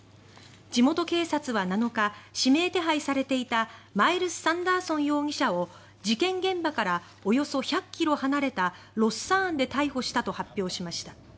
地元警察は、７日指名手配されていたマイルス・サンダーソン容疑者を事件現場からおよそ１００ｋｍ離れたロスサーンで逮捕したと発表しました。